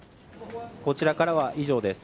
こちらからは以上です。